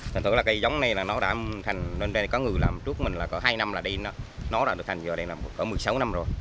thành tựu là cây giống này nó đã thành nên có người làm trước mình là có hai năm là đi nó nó đã thành giờ đây là có một mươi sáu năm rồi